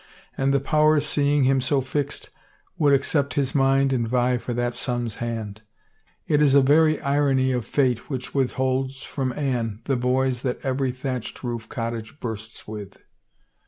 And the powers, seeing him so fixed, would accept his mind and vie for that son's hand. It is a very irony of fate which withholds from Anne the boys that every thatched roof cottage bursts with."